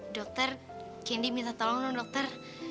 dokter cindy minta tolong dong dokter